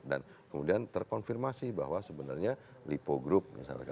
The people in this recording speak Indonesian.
dan kemudian terkonfirmasi bahwa sebenarnya lipogrup